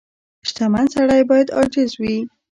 • شتمن سړی باید عاجز وي.